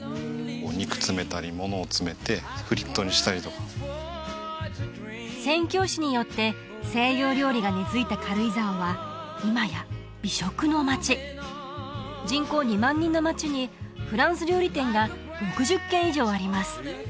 お肉詰めたり物を詰めてフリットにしたりとか宣教師によって西洋料理が根づいた軽井沢は今や美食の町人口２万人の町にフランス料理店が６０軒以上あります